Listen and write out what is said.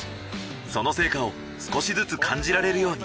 その成果を少しずつ感じられるように。